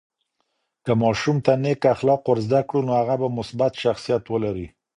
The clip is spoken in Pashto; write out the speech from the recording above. که ماشوم ته نیک اخلاق ورزده کړو، نو هغه به مثبت شخصیت ولري.